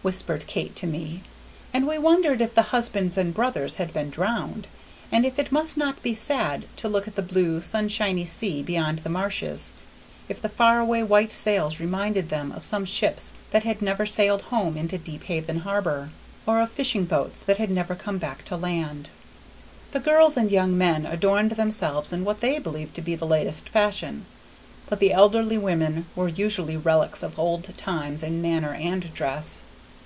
whispered Kate to me. And we wondered if the husbands and brothers had been drowned, and if it must not be sad to look at the blue, sunshiny sea beyond the marshes, if the far away white sails reminded them of some ships that had never sailed home into Deephaven harbor, or of fishing boats that had never come back to land. The girls and young men adorned themselves in what they believed to be the latest fashion, but the elderly women were usually relics of old times in manner and dress.